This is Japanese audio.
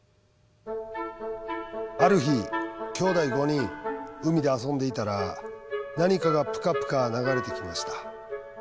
「ある日きょうだい５人海で遊んでいたら何かがプカプカ流れてきました。